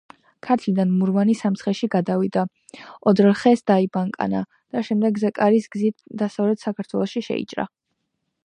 ქართლიდან მურვანი სამცხეში გადავიდა, ოძრხეს დაიბანაკა და შემდეგ ზეკარის გზით დასავლეთ საქართველოში შეიჭრა.